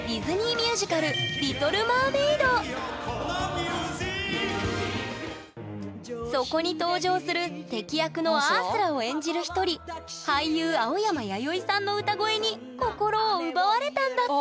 ミュージカルそこに登場する敵役のアースラを演じる一人俳優青山弥生さんの歌声に心を奪われたんだって！